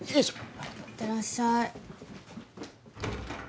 いってらっしゃい。